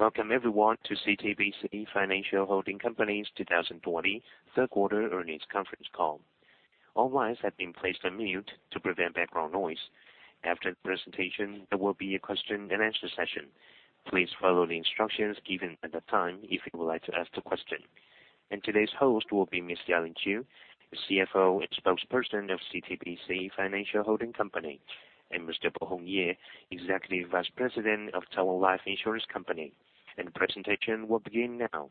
Welcome everyone to CTBC Financial Holding Company's 2020 third quarter earnings conference call. All lines have been placed on mute to prevent background noise. After the presentation, there will be a question and answer session. Please follow the instructions given at that time if you would like to ask a question. Today's host will be Ms. Ya-Ling Chiu, the Chief Financial Officer and Spokesperson of CTBC Financial Holding Company, and Mr. Bohong Ye, Executive Vice President of Taiwan Life Insurance Company. The presentation will begin now.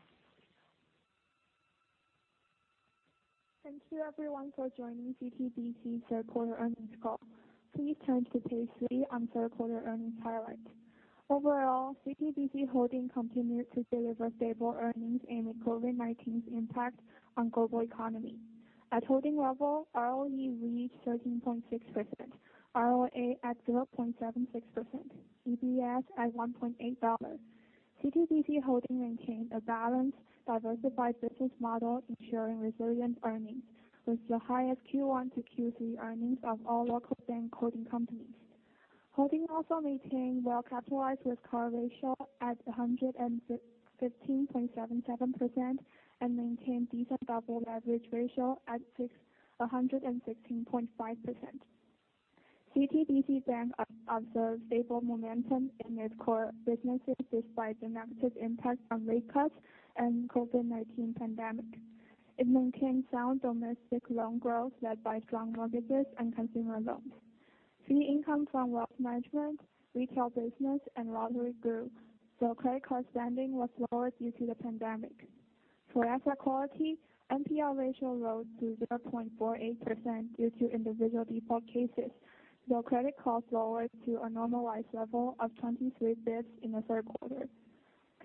Thank you everyone for joining CTBC third quarter earnings call. Please turn to page three on third quarter earnings highlights. Overall, CTBC Holding continued to deliver stable earnings amid COVID-19's impact on global economy. At holding level, ROE reached 13.6%, ROA at 0.76%, EPS at TWD 1.8. CTBC Holding maintained a balanced, diversified business model, ensuring resilient earnings, with the highest Q1 to Q3 earnings of all local bank holding companies. Holding also maintained well-capitalized risk cover ratio at 115.77% and maintained decent double leverage ratio at 116.5%. CTBC Bank observed stable momentum in its core businesses, despite the negative impact from rate cuts and COVID-19 pandemic. It maintained sound domestic loan growth, led by strong mortgages and consumer loans. Fee income from wealth management, retail business, and lottery grew, though credit card spending was lower due to the pandemic. Asset quality, NPL ratio rose to 0.48% due to individual default cases, though credit costs lowered to a normalized level of 23 basis points in the third quarter.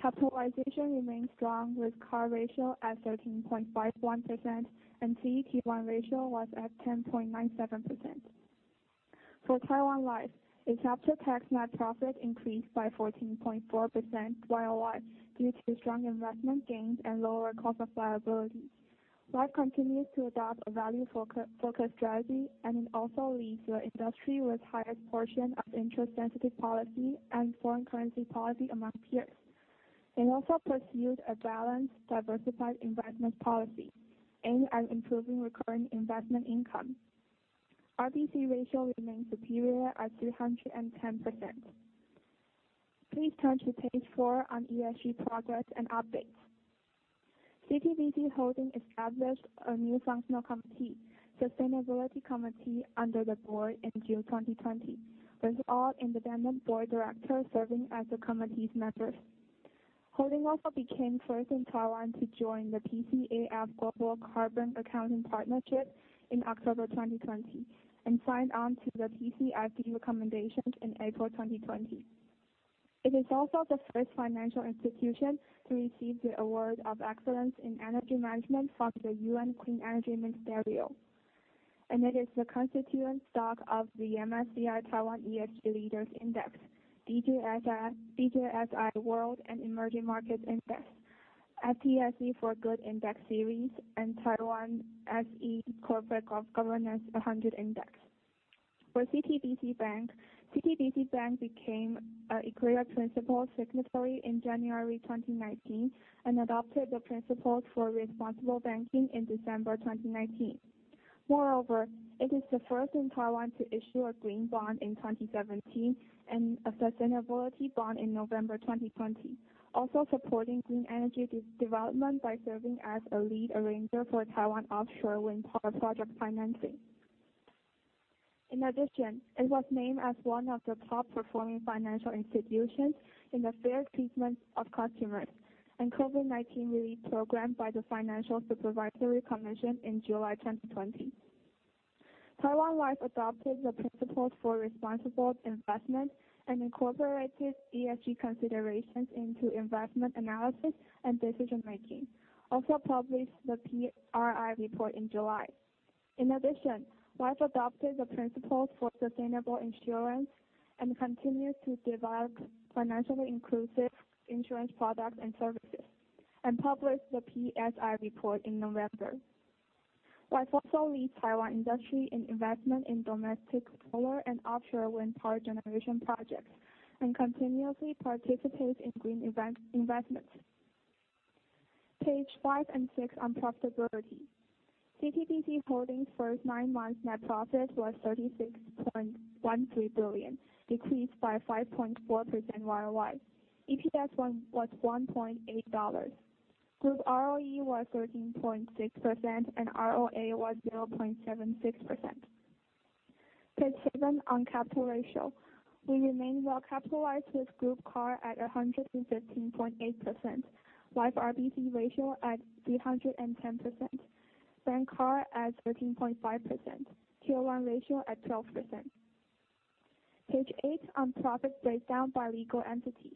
Capitalization remains strong, with CAR ratio at 13.51% and CET1 ratio was at 10.97%. Taiwan Life, its after-tax net profit increased by 14.4% year-over-year, due to strong investment gains and lower cost of liabilities. Life continues to adopt a value-focused strategy, and it also leads the industry with highest portion of interest-sensitive policy and foreign currency policy among peers. It also pursued a balanced, diversified investment policy aimed at improving recurring investment income. RBC ratio remains superior at 310%. Please turn to page four on ESG progress and updates. CTBC Holding established a new functional committee, Sustainability Committee, under the board in June 2020, with all independent board directors serving as the committee's members. Holding also became first in Taiwan to join the PCAF Global Carbon Accounting Partnership in October 2020, and signed on to the PCAF recommendations in April 2020. It is also the first financial institution to receive the Award of Excellence in Energy Management from the Clean Energy Ministerial, and it is the constituent stock of the MSCI Taiwan ESG Leaders Index, DJSI World and Emerging Markets Index, FTSE4Good Index Series, and Taiwan SE Corporate Governance 100 Index. CTBC Bank, CTBC Bank became an Equator Principles signatory in January 2019 and adopted the Principles for Responsible Banking in December 2019. Moreover, it is the first in Taiwan to issue a green bond in 2017 and a sustainability bond in November 2020, also supporting green energy development by serving as a lead arranger for Taiwan offshore wind power project financing. In addition, it was named as one of the top performing financial institutions in the fair treatment of customers and COVID-19 relief program by the Financial Supervisory Commission in July 2020. Taiwan Life adopted the Principles for Responsible Investment and incorporated ESG considerations into investment analysis and decision-making, also published the PRI report in July. In addition, Life adopted the Principles for Sustainable Insurance and continues to develop financially inclusive insurance products and services, and published the PSI report in November. Life also leads Taiwan industry in investment in domestic solar and offshore wind power generation projects, and continuously participates in green investments. Page 5 and 6 on profitability. CTBC Holding's first nine months net profit was 36.13 billion, decreased by 5.4% year-over-year. EPS was 1.8 dollars. Group ROE was 13.6%, and ROA was 0.76%. Page 7 on capital ratio. We remain well capitalized with group CAR at 115.8%, Life RBC ratio at 310%, Bank CAR at 13.5%, Tier 1 ratio at 12%. Page 8 on profit breakdown by legal entities.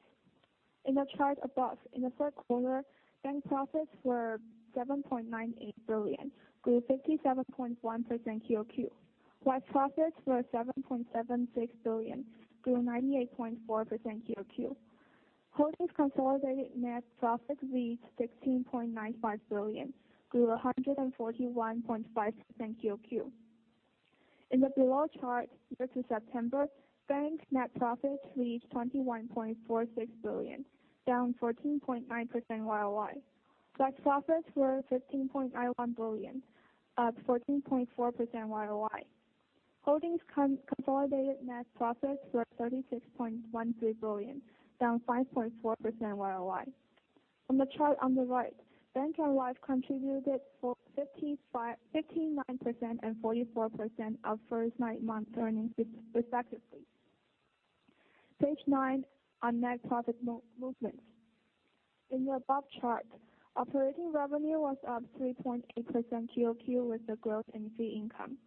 In the chart above, in the third quarter, bank profits were 7.98 billion, grew 57.1% quarter-over-quarter, while profits were 7.76 billion, grew 98.4% quarter-over-quarter. Holding's consolidated net profit reached 16.95 billion, grew 141.5% quarter-over-quarter. In the below chart, year to September, bank net profits reached 21.46 billion, down 14.9% year-over-year. Bank's profits were 15.91 billion, up 14.4% year-over-year. Holding's consolidated net profits were 36.13 billion, down 5.4% year-over-year. On the chart on the right, bank and Life contributed for 59% and 44% of first nine months earnings respectively. Page 9, on net profit movements. In the above chart, operating revenue was up 3.8% quarter-over-quarter with a growth in fee income.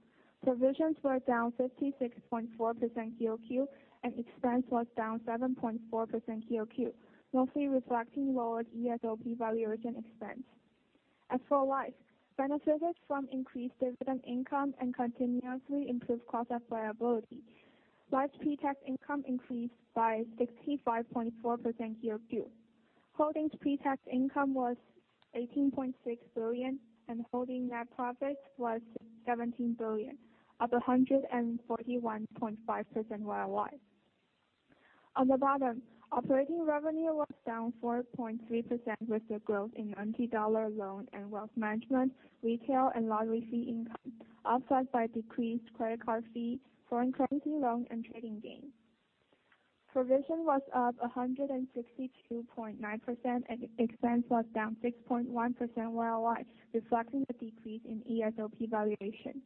Provisions were down 56.4% quarter-over-quarter, and expense was down 7.4% quarter-over-quarter, mostly reflecting lower ESOP valuation expense. As for Life, benefited from increased dividend income and continuously improved cost of liability. Life's pre-tax income increased by 65.4% year-over-year. Holding's pre-tax income was 18.6 billion, and holding net profit was 17 billion, up 141.5% year-over-year. On the bottom, operating revenue was down 4.3% with the growth in NT dollar loan and wealth management, retail, and lottery fee income, offset by decreased credit card fee, foreign currency loan, and trading gain. Provision was up 162.9%, and expense was down 6.1% year-over-year, reflecting the decrease in ESOP valuation.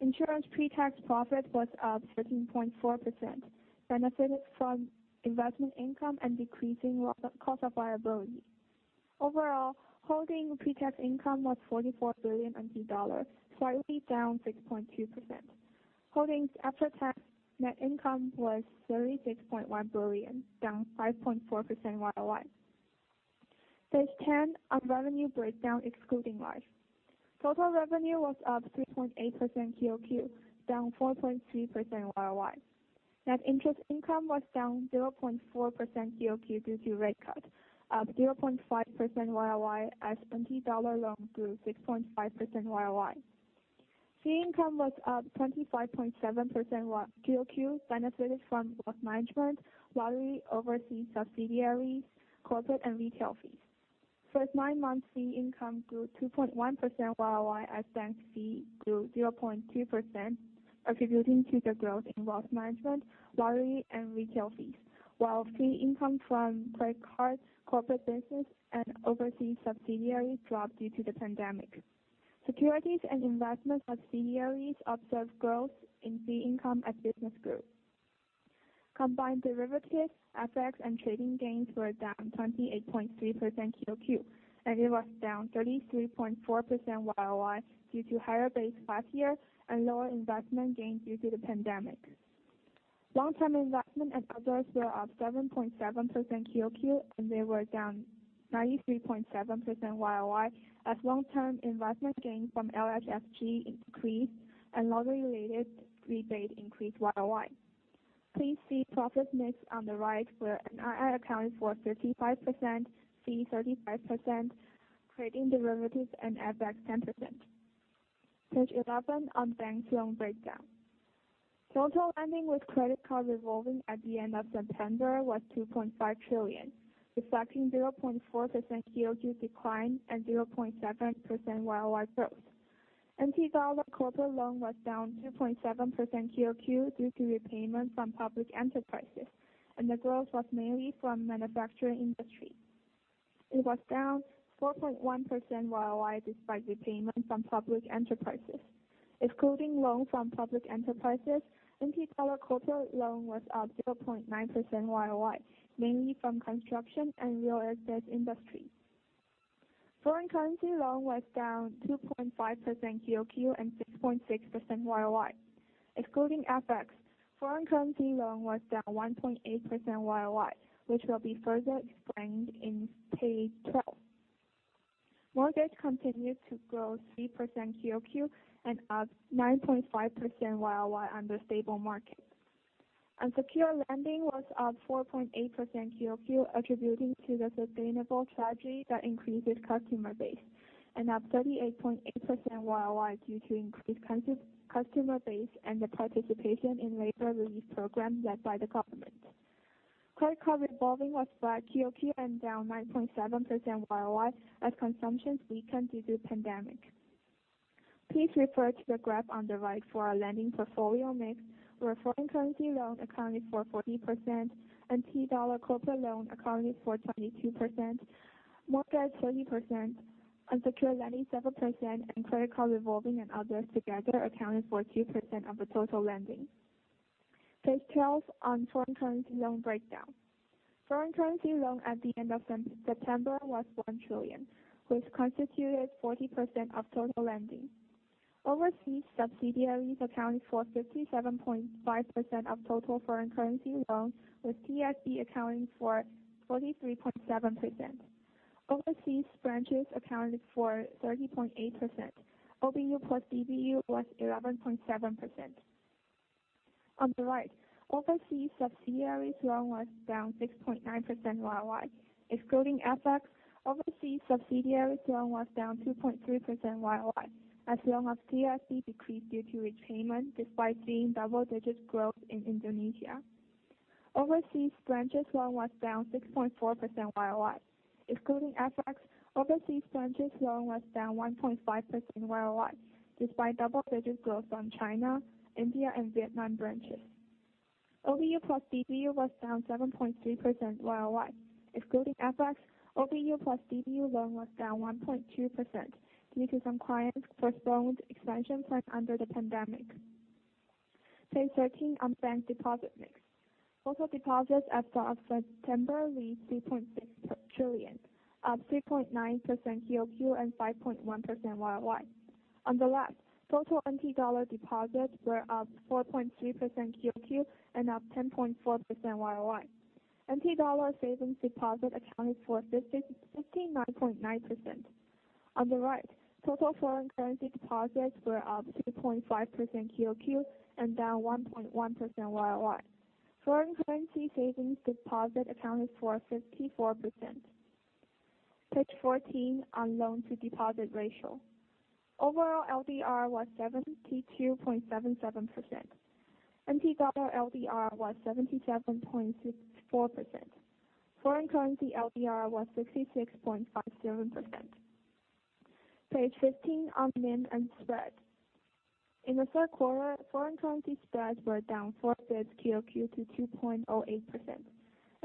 Insurance pre-tax profit was up 13.4%, benefited from investment income and decreasing cost of liability. Overall, holding pre-tax income was 44 billion, slightly down 6.2%. Holding's after-tax net income was 36.1 billion, down 5.4% year-over-year. Page 10 on revenue breakdown excluding Life. Total revenue was up 3.8% quarter-over-quarter, down 4.3% year-over-year. Net interest income was down 0.4% quarter-over-quarter due to rate cut, up 0.5% year-over-year as NT dollar loans grew 6.5% year-over-year. Fee income was up 25.7% quarter-over-quarter, benefited from wealth management, lottery, overseas subsidiaries, corporate and retail fees. First nine months fee income grew 2.1% year-over-year as bank fee grew 0.2%, attributing to the growth in wealth management, lottery, and retail fees. While fee income from credit cards, corporate business, and overseas subsidiaries dropped due to the pandemic. Securities and investment subsidiaries observe growth in fee income as business grew. Combined derivatives, FX, and trading gains were down 28.3% quarter-over-quarter, and it was down 33.4% year-over-year due to higher base last year and lower investment gains due to the pandemic. Long-term investment and others were up 7.7% QOQ, and they were down 93.7% YOY as long-term investment gains from LH Financial Group increased and lottery-related rebates increased YOY. Please see profit mix on the right, where NII accounts for 35%, fee 35%, trade-in derivatives and FX 10%. Page 11 on bank loan breakdown. Total lending with credit card revolving at the end of September was 2.5 trillion, reflecting 0.4% QOQ decline and 0.7% YOY growth. TWD corporate loan was down 2.7% QOQ due to repayment from public enterprises, and the growth was mainly from manufacturing industry. It was down 4.1% YOY despite repayment from public enterprises. Excluding loans from public enterprises, TWD corporate loan was up 0.9% YOY, mainly from construction and real estate industry. Foreign currency loan was down 2.5% QOQ and 6.6% YOY. Excluding FX, foreign currency loan was down 1.8% YOY, which will be further explained in page 12. Mortgage continued to grow 3% QOQ and up 9.5% YOY on the stable market. Unsecured lending was up 4.8% QOQ, attributing to the sustainable strategy that increased customer base, and up 38.8% YOY due to increased customer base and the participation in labor relief program led by the government. Credit card revolving was flat QOQ and down 9.7% YOY as consumptions weakened due to pandemic. Please refer to the graph on the right for our lending portfolio mix, where foreign currency loan accounted for 40%, TWD corporate loan accounted for 22%, mortgage 30%, unsecured lending 7%, and credit card revolving and others together accounted for 2% of the total lending. Page 12 on foreign currency loan breakdown. Foreign currency loan at the end of September was 1 trillion, which constituted 40% of total lending. Overseas subsidiaries accounted for 57.5% of total foreign currency loans, with Tokyo Star Bank accounting for 43.7%. Overseas branches accounted for 30.8%, OBU plus DBU was 11.7%. On the right, overseas subsidiaries loan was down 6.9% YOY. Excluding FX, overseas subsidiaries loan was down 2.3% YOY, as loan of CSB decreased due to repayment despite seeing double-digit growth in Indonesia. Overseas branches loan was down 6.4% YOY. Excluding FX, overseas branches loan was down 1.5% YOY, despite double-digit growth from China, India, and Vietnam branches. OBU plus DBU was down 7.3% YOY. Excluding FX, OBU plus DBU loan was down 1.2% due to some clients postponing expansion plans under the pandemic. Page 13, on bank deposit mix. Total deposits as of September reached TWD 3.6 trillion, up 3.9% QOQ and 5.1% YOY. On the left, total TWD deposits were up 4.3% QOQ and up 10.4% YOY. TWD savings deposits accounted for 59.9%. On the right, total foreign currency deposits were up 2.5% QOQ and down 1.1% YOY. Foreign currency savings deposits accounted for 54%. Page 14 on loan-to-deposit ratio. Overall, LDR was 72.77%. TWD LDR was 77.64%. Foreign currency LDR was 66.57%. Page 15 on NIM and spread. In the third quarter, foreign currency spreads were down four bits QOQ to 2.08%.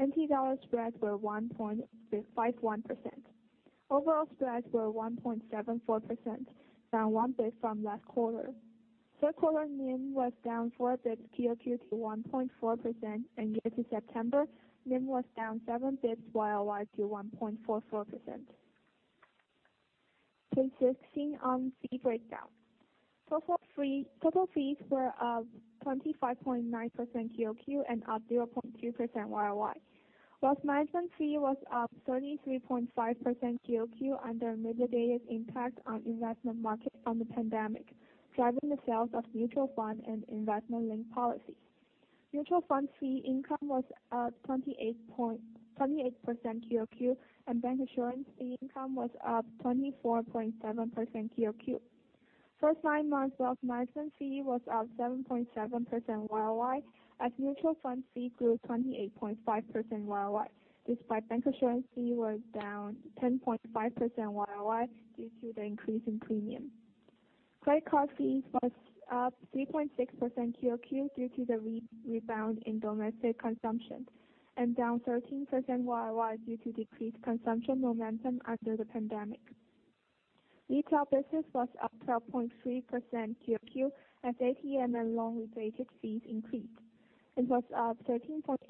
TWD spreads were 1.51%. Overall spreads were 1.74%, down one bit from last quarter. Third quarter NIM was down four bits QOQ to 1.4%, and year to September, NIM was down seven bits YOY to 1.44%. Page 16 on fee breakdown. Total fees were up 25.9% QOQ and up 0.2% YOY. Wealth management fee was up 33.5% QOQ under a mid-year impact on investment market from the pandemic, driving the sales of mutual fund and investment-linked policies. Mutual fund fee income was up 28% QOQ and bank assurance fee income was up 24.7% QOQ. First nine months, wealth management fee was up 7.7% YOY as mutual fund fee grew 28.5% YOY, despite bank assurance fee was down 10.5% YOY due to the increase in premium. Credit card fees was up 3.6% QOQ due to the rebound in domestic consumption and down 13% YOY due to decreased consumption momentum after the pandemic. Retail business was up 12.3% QOQ as ATM and loan-related fees increased. It was up 13.8%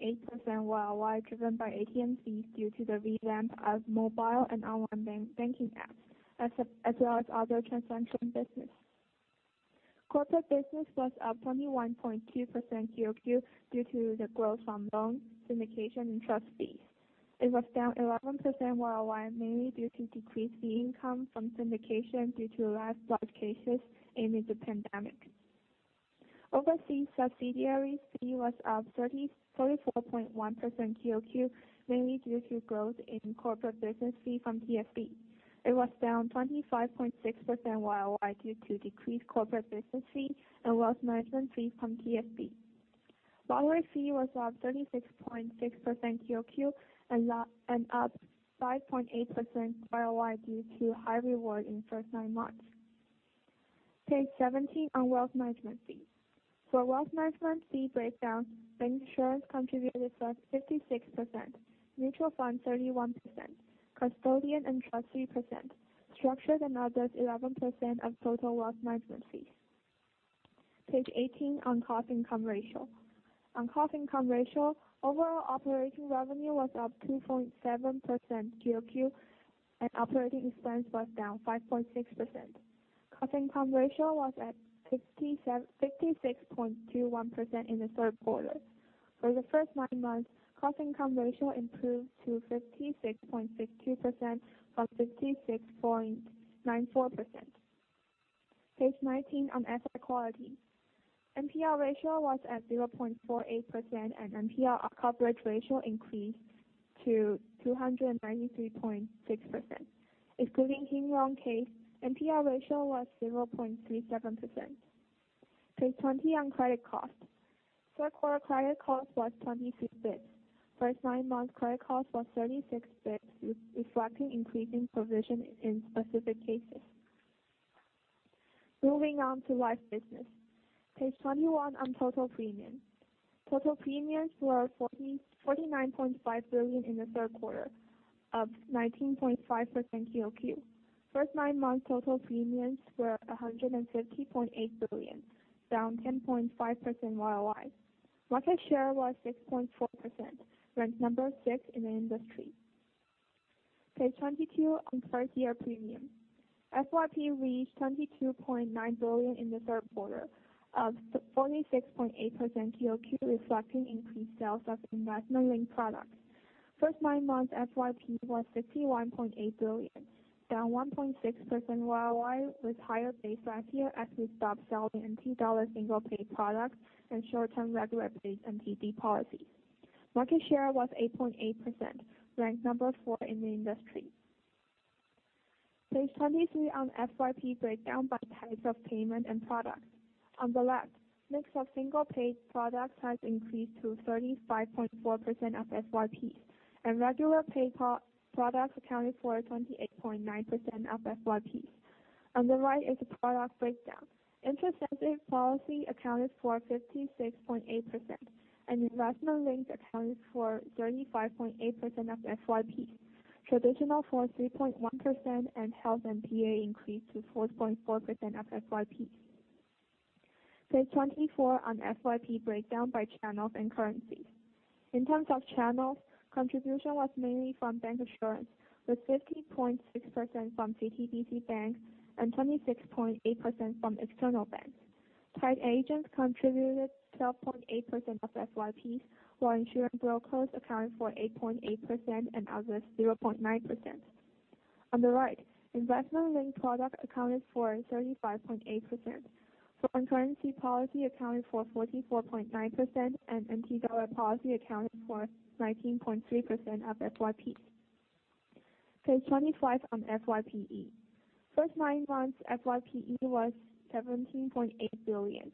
YOY, driven by ATM fees due to the revamp of mobile and online banking apps, as well as other transaction business. Corporate business was up 21.2% QOQ due to the growth from loan syndication and trust fees. It was down 11% YOY, mainly due to decreased fee income from syndication due to less large cases amid the pandemic. Overseas subsidiaries fee was up 34.1% QOQ, mainly due to growth in corporate business fee from TSB. It was down 25.6% YOY due to decreased corporate business fee and wealth management fees from TSB. Loan fee was up 36.6% QOQ and up 5.8% YOY due to high reward in the first nine months. Page 17 on wealth management fees. For wealth management fee breakdown, bank insurance contributed to 56%, mutual funds 31%, custodian and trust 3%, structured and others 11% of total wealth management fees. Page 18 on cost income ratio. On cost income ratio, overall operating revenue was up 2.7% QOQ and operating expense was down 5.6%. Cost income ratio was at 56.21% in the third quarter. For the first nine months, cost income ratio improved to 56.62% from 56.94%. Page 19 on asset quality. NPL ratio was at 0.48%, and NPL coverage ratio increased to 293.6%. Excluding Hinh Nguyen case, NPL ratio was 0.37%. Page 20 on credit cost. Third quarter credit cost was 23 bits. First nine months credit cost was 36 bits, reflecting increasing provision in specific cases. Moving on to life business. Page 21 on total premium. Total premiums were 49.5 billion in the third quarter, up 19.5% QOQ. First nine months, total premiums were 150.8 billion, down 10.5% YOY. Market share was 6.4%, ranked number 6 in the industry. Page 22 on first-year premium. FYP reached 22.9 billion in the third quarter, up to 46.8% QOQ, reflecting increased sales of investment-linked products. First nine months FYP was 61.8 billion, down 1.6% YOY, with higher base last year as we stopped selling TWD single-pay products and short-term regular-based MTD policies. Market share was 8.8%, ranked number 4 in the industry. Page 23 on FYP breakdown by types of payment and products. On the left, mix of single-pay products has increased to 35.4% of FYPs, and regular pay products accounted for 28.9% of FYPs. On the right is a product breakdown. Interest-sensitive policy accounted for 56.8%, and investment-linked accounted for 35.8% of FYPs. Traditional for 3.1%, and health and PA increased to 4.4% of FYPs. Page 24 on FYP breakdown by channels and currencies. In terms of channels, contribution was mainly from bank assurance, with 50.6% from CTBC banks and 26.8% from external banks. Trade agents contributed 12.8% of FYPs, while insurance brokers accounted for 8.8%, and others 0.9%. On the right, investment-linked product accounted for 35.8%. Foreign currency policy accounted for 44.9%, NT dollar policy accounted for 19.3% of FYP. Page 25 on FYPE. First nine months FYPE was 17.8 billion.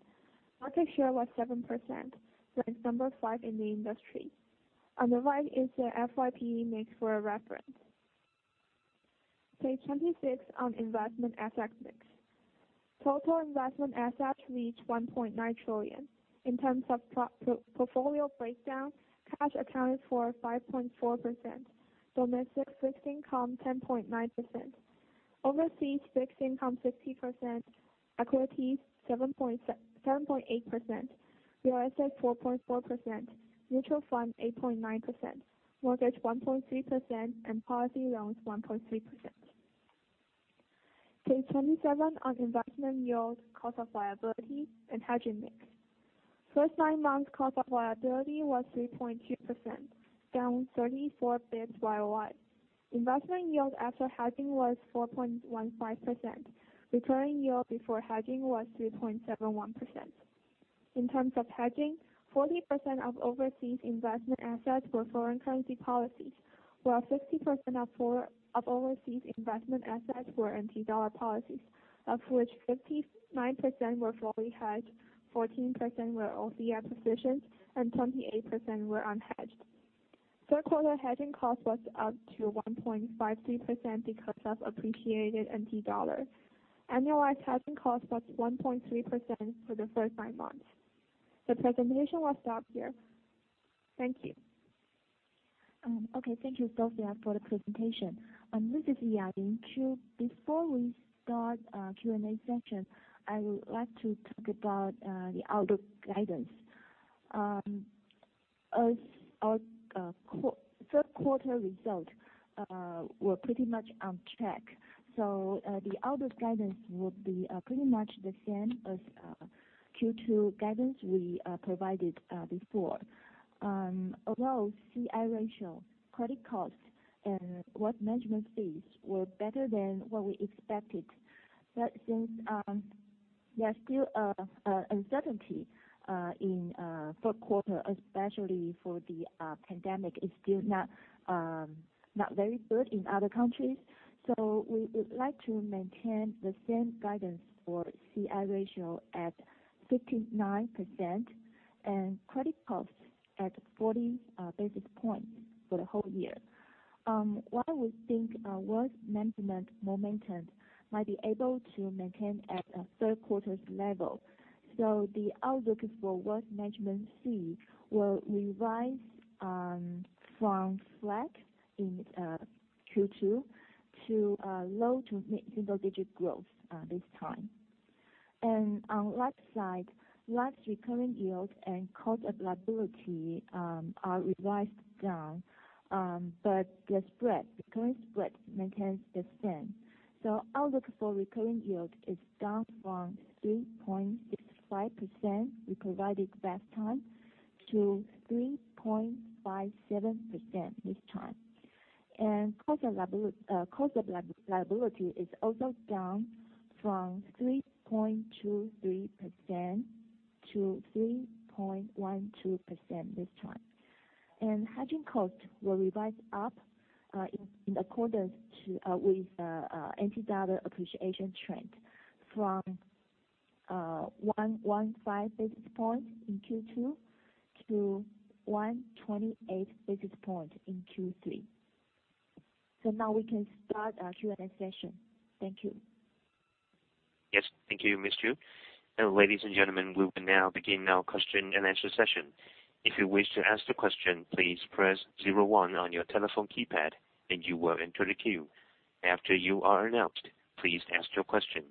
Market share was 7%, ranked number five in the industry. On the right is the FYPE mix for reference. Page 26 on investment asset mix. Total investment assets reached 1.9 trillion. In terms of portfolio breakdown, cash accounted for 5.4%, domestic fixed income 10.9%, overseas fixed income 15%, equities 7.8%, real assets 4.4%, mutual funds 8.9%, mortgage 1.3%, and policy loans 1.3%. Page 27 on investment yield, cost of liability, and hedging mix. First nine months cost of liability was 3.2%, down 34 basis points year-over-year. Investment yield after hedging was 4.15%. Returning yield before hedging was 3.71%. In terms of hedging, 40% of overseas investment assets were foreign currency policies, while 50% of overseas investment assets were NT dollar policies, of which 59% were fully hedged, 14% were OCI positions, and 28% were unhedged. Third quarter hedging cost was up to 1.53% because of appreciated NT dollar. Annualized hedging cost was 1.3% for the first nine months. The presentation will stop here. Thank you. Thank you, Sophia, for the presentation. This is Ya-Ling Chiu. Before we start our Q&A session, I would like to talk about the outlook guidance. Our third quarter results were pretty much on track, the outlook guidance will be pretty much the same as Q2 guidance we provided before. CI ratio, credit costs, and wealth management fees were better than what we expected, since there are still uncertainty in third quarter, especially for the pandemic, it's still not very good in other countries. We would like to maintain the same guidance for CI ratio at 59% and credit costs at 40 basis points for the whole year. We think our wealth management momentum might be able to maintain at third quarter's level, the outlook for wealth management fee will revise from flat in Q2 to low to mid-single digit growth this time. On the liability side, liability recurring yield and cost of liability are revised down, the spread, recurring spread, maintains the same. Outlook for recurring yield is down from 3.65% we provided last time to 3.57% this time. Cost of liability is also down from 3.23% to 3.12% this time. Hedging cost will revise up in accordance with NT dollar appreciation trend from 115 basis points in Q2 to 128 basis points in Q3. Now we can start our Q&A session. Thank you. Yes. Thank you, Ms. Chu. Ladies and gentlemen, we will now begin our question-and-answer session. If you wish to ask a question, please press zero one on your telephone keypad and you will enter the queue. After you are announced, please ask your question.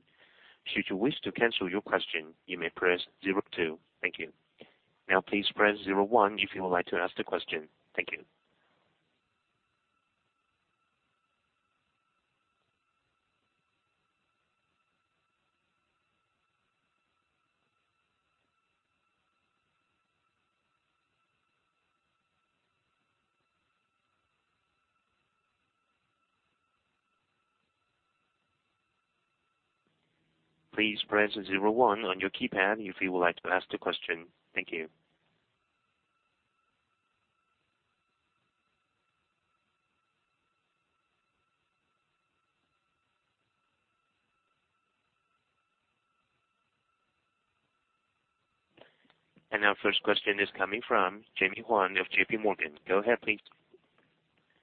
Should you wish to cancel your question, you may press zero two. Thank you. Now please press zero one if you would like to ask a question. Thank you. Please press zero one on your keypad if you would like to ask the question. Thank you. Our first question is coming from Jemmy Huang of J.P. Morgan. Go ahead, please.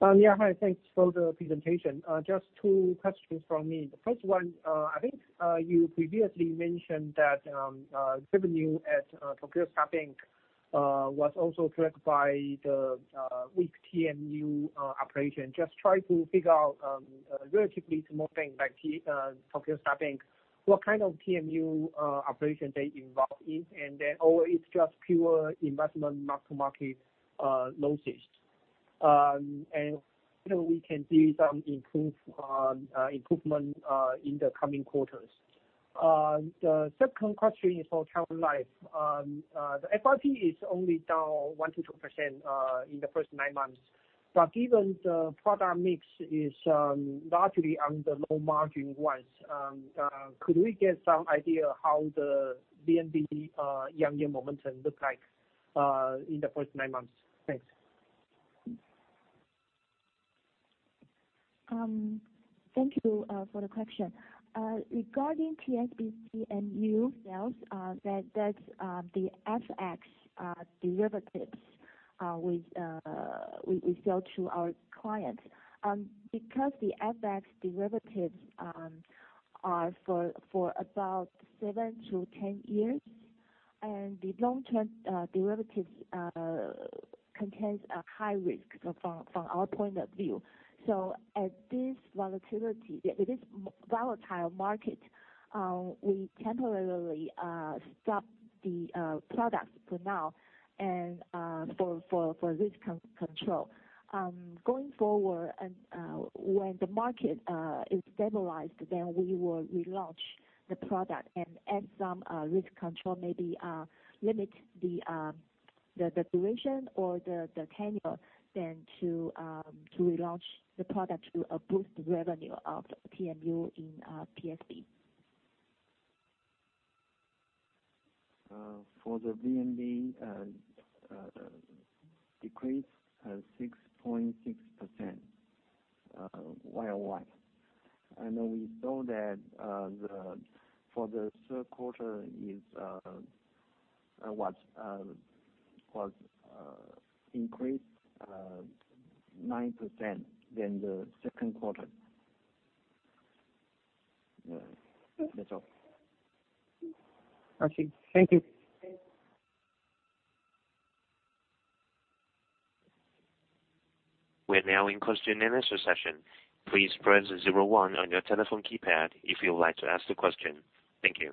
Yeah. Hi. Thanks for the presentation. Just two questions from me. The first one, I think you previously mentioned that revenue at Tokyo Star Bank was also dragged by the weak TMU operation. Just trying to figure out, relatively small bank like Tokyo Star Bank, what kind of TMU operation they involve in, or it's just pure investment mark-to-market losses? Whether we can see some improvement in the coming quarters? The second question is for Taiwan Life. The FRP is only down 1%-2% in the first nine months, but given the product mix is largely on the low margin ones, could we get some idea how the VNB year-on-year momentum look like in the first nine months? Thanks. Thank you for the question. Regarding Tokyo Star Bank TMU sales, that's the FX derivatives we sell to our clients. The FX derivatives are for about 7 to 10 years, and the long-term derivatives contains a high risk from our point of view. At this volatile market, we temporarily stop the products for now and for risk control. Going forward, when the market is stabilized, we will relaunch the product and add some risk control, maybe limit the duration or the tenure then to relaunch the product to boost revenue of TMU in Tokyo Star Bank. For the VNB decrease 6.6% year-on-year. We know that for the third quarter was increased 9% than the second quarter. Yeah. That's all. Okay. Thank you. We're now in question and answer session. Please press zero one on your telephone keypad if you would like to ask the question. Thank you.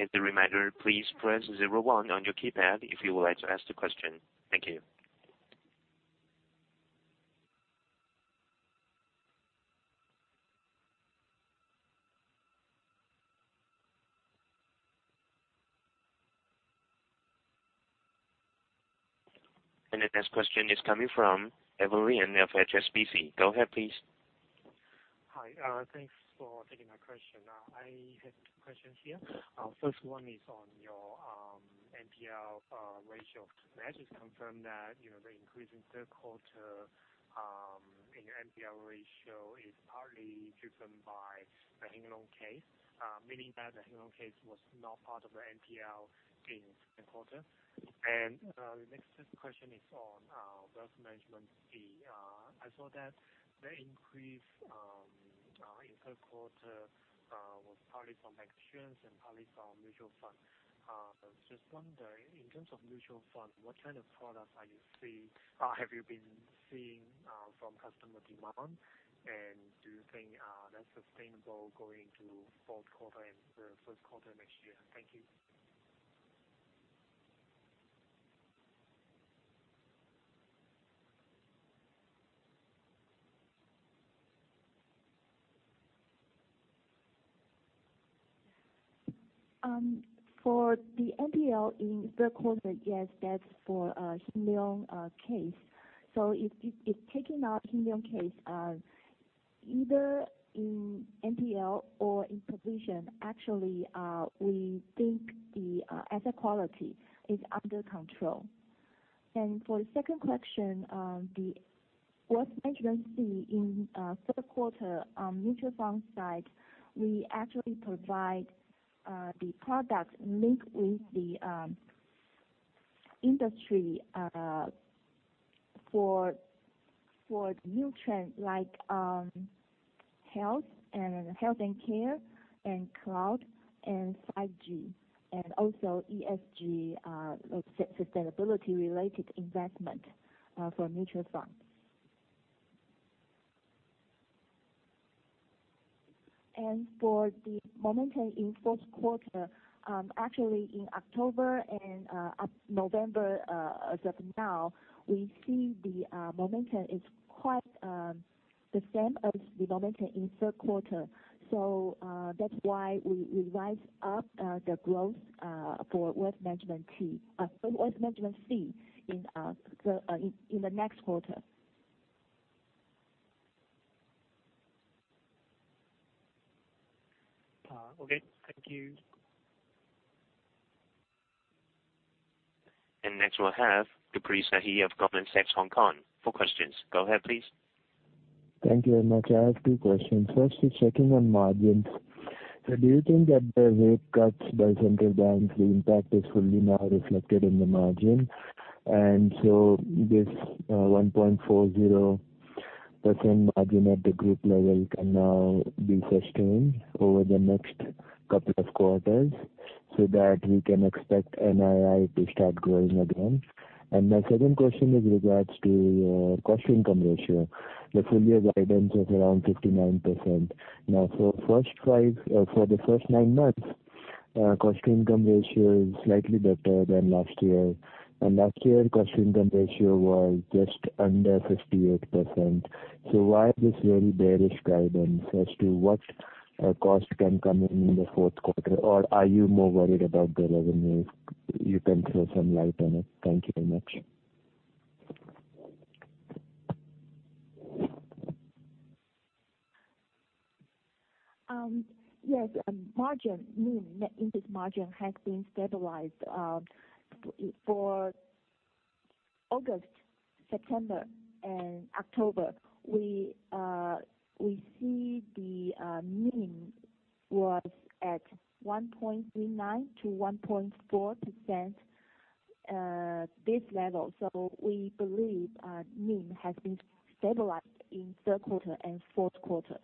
As a reminder, please press zero one on your keypad if you would like to ask the question. Thank you. The next question is coming from Avery N. of HSBC. Go ahead, please. Hi. Thanks for taking my question. I have two questions here. First one is on your NPL ratio. May I just confirm that the increase in third quarter in your NPL ratio is partly driven by the Hsin Yung Long case? Meaning that the Hsin Yung Long case was not part of the NPL in second quarter. The next question is on wealth management fee. I saw that the increase in third quarter was partly from insurance and partly from mutual funds. Just wondering, in terms of mutual funds, what kind of products have you been seeing from customer demand, and do you think that's sustainable going into fourth quarter and the first quarter next year? Thank you. For the NPL in third quarter, yes, that's for Hsin Yung Long case. If taking out Hsin Yung Long case, either in NPL or in provision, actually, we think the asset quality is under control. For the second question, the wealth management fee in third quarter, mutual fund side, we actually provide the product linked with the industry for new trends like health and care and cloud and 5G, also ESG sustainability related investment for mutual funds. For the momentum in fourth quarter, actually in October and November as of now, we see the momentum is quite the same as the momentum in third quarter. That's why we rise up the growth for wealth management fee in the next quarter. Okay, thank you. Next we'll have Gurpreet Sahi of Goldman Sachs Hong Kong for questions. Go ahead, please. Thank you very much. I have two questions. First, just checking on margins. Do you think that the rate cuts by central banks, the impact is fully now reflected in the margin? This 1.40% margin at the group level can now be sustained over the next couple of quarters so that we can expect NII to start growing again? My second question is regards to cost-to-income ratio, the full year guidance of around 59%. For the first nine months, cost-to-income ratio is slightly better than last year. Last year, cost-income ratio was just under 58%. Why this very bearish guidance as to what cost can come in in the fourth quarter? Are you more worried about the revenues? You can throw some light on it. Thank you very much. Yes. NIM, net interest margin, has been stabilized. For August, September, and October, we see the NIM was at 1.39%-1.4% base level. We believe NIM has been stabilized in third quarter and fourth quarter.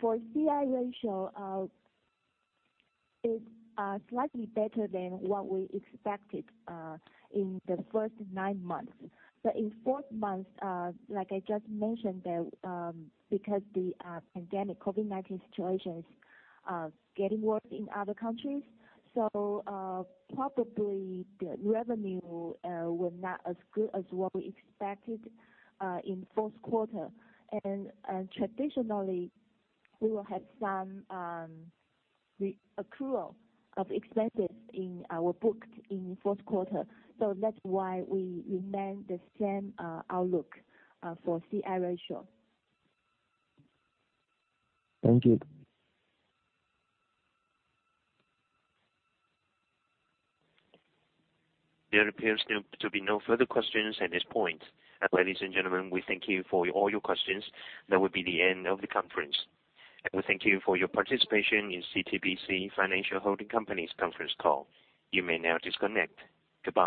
For CI ratio, it's slightly better than what we expected in the first nine months. In fourth quarter, like I just mentioned, because the pandemic, COVID-19 situation is getting worse in other countries, probably the revenue will not as good as what we expected in fourth quarter. Traditionally, we will have some accrual of expenses in our books in fourth quarter. That's why we remain the same outlook for CI ratio. Thank you. There appears to be no further questions at this point. Ladies and gentlemen, we thank you for all your questions. That will be the end of the conference. We thank you for your participation in CTBC Financial Holding Company's conference call. You may now disconnect. Goodbye.